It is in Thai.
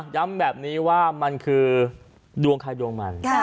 ย้ำแบบนี้ว่ามันคือดวงใครดวงมัน